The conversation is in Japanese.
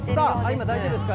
今、大丈夫ですか？